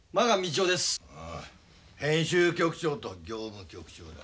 編集局長と業務局長だ。